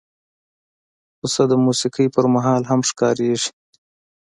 پسه د موسیقۍ پر مهال هم ښکارېږي.